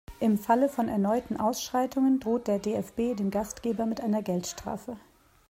Im Falle von erneuten Ausschreitungen droht der DFB dem Gastgeber mit einer Geldstrafe.